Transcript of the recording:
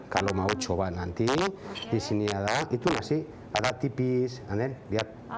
kalau mau coba nanti disini ada itu nasi ada tipis and then lihat